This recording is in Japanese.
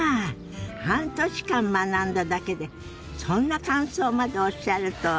半年間学んだだけでそんな感想までおっしゃるとは。